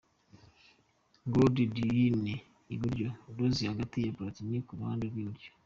Nguwo Diddyne iburyo, Rozy hagati na Platini ku ruhande rw'iburyo.